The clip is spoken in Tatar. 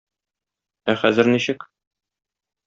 Ә хәзер ничек?